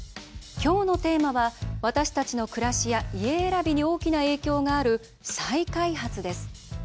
今日のテーマは私たちの暮らしや家選びに大きな影響がある「再開発」です。